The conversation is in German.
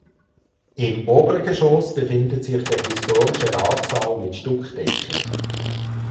Im Obergeschoss befindet sich der historische Ratssaal mit Stuckdecke.